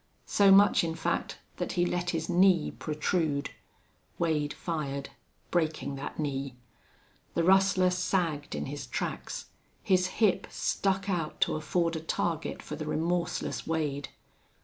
So much, in fact, that he let his knee protrude. Wade fired, breaking that knee. The rustler sagged in his tracks, his hip stuck out to afford a target for the remorseless Wade.